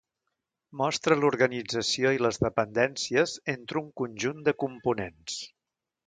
Mostra l'organització i les dependències entre un conjunt de components.